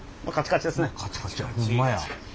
カチカチや。